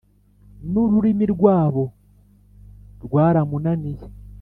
n'ururimi rwabo rwaramunaniye